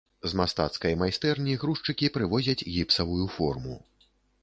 З мастацкай майстэрні грузчыкі прывозяць гіпсавую форму.